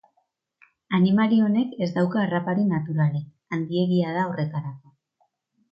Animali honek ez dauka harrapari naturalik, handiegia da horretarako.